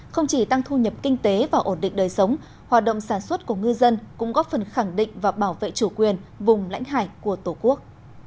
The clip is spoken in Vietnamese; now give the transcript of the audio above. không chỉ tăng thu nhập kinh tế và ổn định đời sống hoạt động sản xuất của ngư dân cũng góp phần khẳng định và bảo vệ chủ quyền vùng lãnh hải của tổ quốc